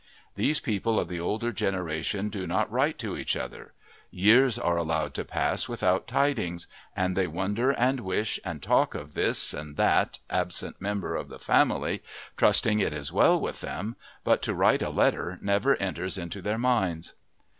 These people of the older generation do not write to each other; years are allowed to pass without tidings, and they wonder and wish and talk of this and that absent member of the family, trusting it is well with them, but to write a letter never enters into their minds.